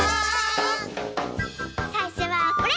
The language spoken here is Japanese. さいしょはこれ！